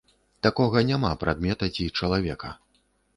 Такога няма прадмета ці чалавека.